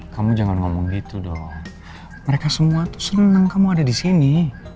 kamu jangan ngomong gitu dong mereka semua tuh senang kamu ada di sini